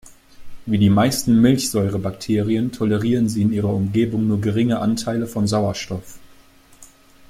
Wie die meisten Milchsäurebakterien tolerieren sie in ihrer Umgebung nur geringe Anteile von Sauerstoff.